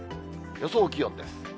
予想気温です。